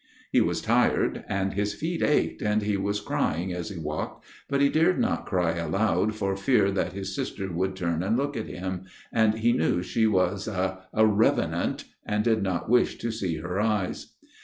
He was tired, and his feet ached, and he was crying as he walked, but he dared not cry loud for fear that his sister would turn and look at him, and he knew she was FATHER STEIN'S TALE 257 a a rtvenani and did not wish to see her eyes.